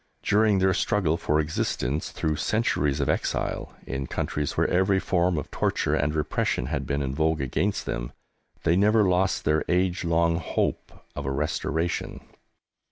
During their struggle for existence through centuries of exile, in countries where every form of torture and repression had been in vogue against them, they never lost their age long Hope of a Restoration.